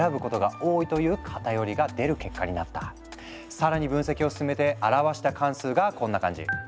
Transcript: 更に分析を進めて表した関数がこんな感じ。